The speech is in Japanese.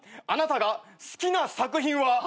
あなたが好きな作品は。